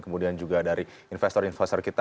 kemudian juga dari investor investor kita